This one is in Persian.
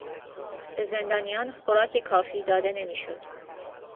به زندانیان خوراک کافی داده نمیشد.